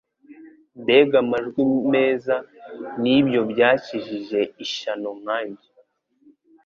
Mbega amajwi meza n'Ibyo byakijije ishyano nkanjye